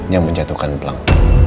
yang menjatuhkan plank